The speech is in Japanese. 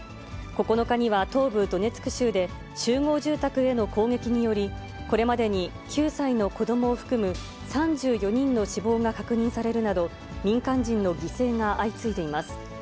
９日には東部ドネツク州で、集合住宅への攻撃により、これまでに９歳の子どもを含む３４人の死亡が確認されるなど、民間人の犠牲が相次いでいます。